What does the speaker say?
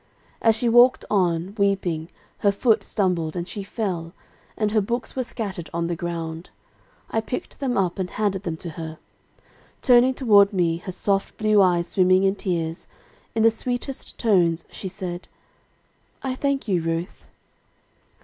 "As she walked on, weeping, her foot stumbled, and she fell, and her books were scattered on the ground. I picked them up and handed them to her. Turning toward me her soft blue eyes swimming in tears, in the sweetest tones, she said, "'I thank you, Ruth.'